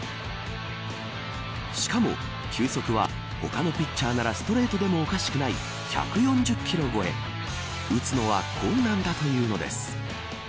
しかも、球速は他のピッチャーならストレートでもおかしくない１４０キロ超え打つのは困難だというのです。